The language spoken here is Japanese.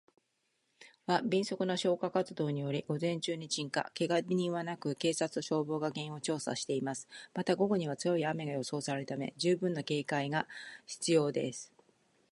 本日未明、都内で発生した火災は、迅速な消火活動により午前中に鎮火。けが人はなく、警察と消防が原因を調査しています。また、午後には強い雨が予想されるため、十分な警戒が必要です。